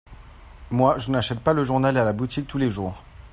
Moi, je n'achète pas le journal à la boutique tous les jours.